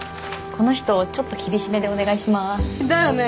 この人ちょっと厳しめでお願いしまーすだよね